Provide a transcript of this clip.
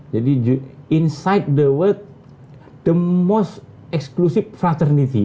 jadi di dalam dunia yang paling eksklusif adalah fraternity